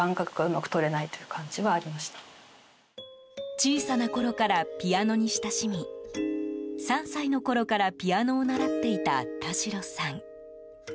小さなころからピアノに親しみ３歳のころからピアノを習っていた田代さん。